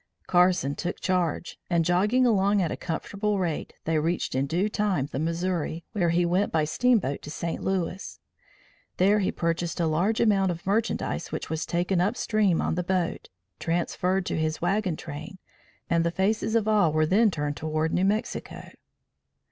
Carson took charge, and, jogging along at a comfortable rate, they reached in due time the Missouri, where he went by steamboat to St. Louis. There he purchased a large amount of merchandise which was taken up stream on the boat, transferred to his wagon train, and the faces of all were then turned toward New Mexico.